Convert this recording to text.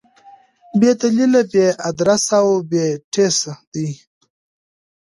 بې دلیله، بې ادرسه او بې ټسه دي.